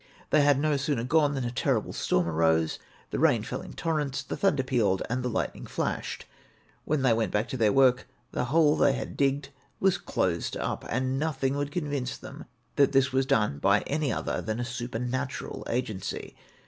They had no sooner gone than a terrible storm arose; the rain fell in torrents, the thunder pealed and the lightning flashed. When they went back to their work, the hole they had digged was closed up; and nothing would convince them that this was done by any other than a supernatural agency.